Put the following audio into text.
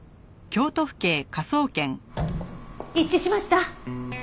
一致しました！